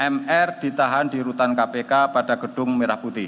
mr ditahan di rutan kpk pada gedung merah putih